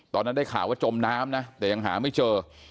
ได้ข่าวว่าจมน้ำนะแต่ยังหาไม่เจอ